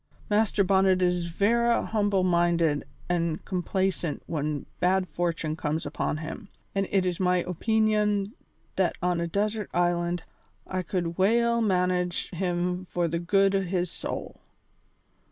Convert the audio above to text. Master Bonnet is vera humble minded an' complacent when bad fortune comes upon him, an' it is my opeenion that on a desert island I could weel manage him for the good o' his soul."